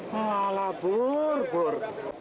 lala bur bur